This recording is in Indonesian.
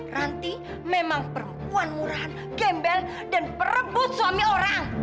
ranti memang perempuan murahan gembel dan perebut suami orang